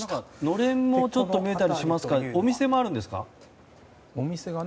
のれんも見えたりしますがお店もあるんですか？